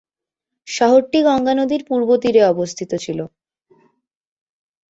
শহরটি গঙ্গা নদীর পূর্ব তীরে অবস্থিত ছিল।